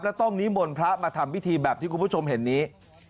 แล้วต้องนิมนต์พระมาทำพิธีแบบที่คุณผู้ชมเห็นนี้